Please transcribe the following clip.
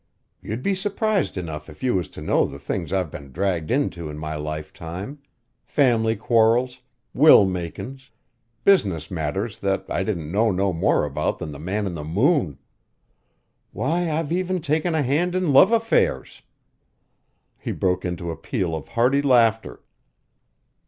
You'd be surprised enough if you was to know the things I've been dragged into in my lifetime; family quarrels, will makin's, business matters that I didn't know no more about than the man in the moon. Why, I've even taken a hand in love affairs!" He broke into a peal of hearty laughter.